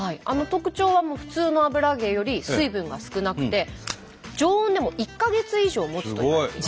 特徴は普通の油揚げより水分が少なくて常温でも１か月以上もつといわれています。